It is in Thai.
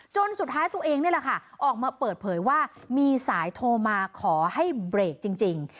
สุดท้ายตัวเองนี่แหละค่ะออกมาเปิดเผยว่ามีสายโทรมาขอให้เบรกจริง